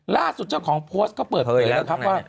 ล่าสุดเจ้าของโพสต์ก็เปิดเกิดแล้วครับ